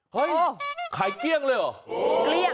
เฮ้ยขายเกลี้ยงเลยเหรอ